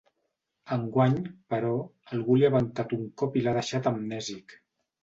Enguany, però, algú li ha ventat un cop i l'ha deixat amnèsic.